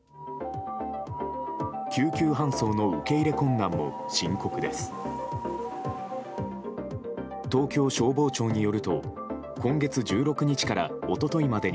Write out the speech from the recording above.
救急搬送の受け入れ困難も深刻です。